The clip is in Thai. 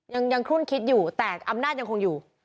ยังคลุ่นคิดอยู่แต่อำนาจยังคงอยู่